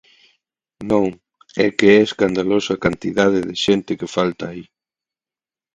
Non, é que é escandaloso a cantidade de xente que falta aí.